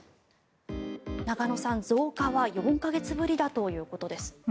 中野さん、増加は４か月ぶりだということです。